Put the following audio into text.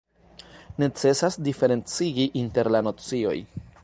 Necesas diferencigi inter la nocioj.